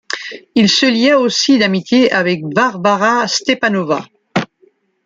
Il se lia aussi d'amitié avec Varvara Stepanova.